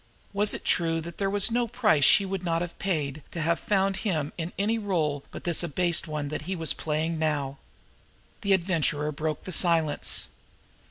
Was it true that there was no price she would not have paid to have found him in any role but this abased one that he was playing now? The Adventurer broke the silence.